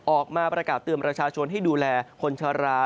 ออกมาประกาศเตือนประชาชนให้ดูแลคนชะลา